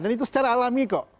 dan itu secara alami kok